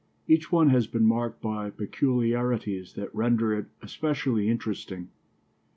Each one has been marked by peculiarities that render it especially interesting.